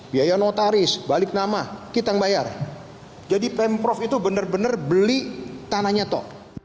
biaya notaris balik nama kita yang bayar jadi pemprov itu benar benar beli tanahnya toh